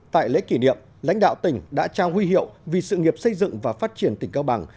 tại lễ kỷ niệm lãnh đạo tỉnh đã trao huy hiệu vì sự nghiệp xây dựng và phát triển tỉnh cao bằng